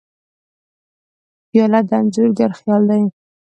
پیاله د انځورګر خیال دی.